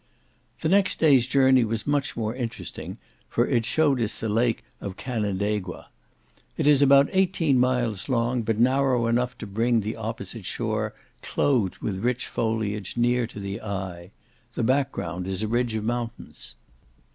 The next day's journey was much more interesting, for it showed us the lake of Canandaigua. It is about eighteen miles long, but narrow enough to bring the opposite shore, clothed with rich foliage, near to the eye; the back ground is a ridge of mountains.